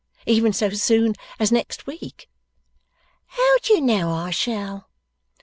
Even so soon as next week.' 'How do you know I shall?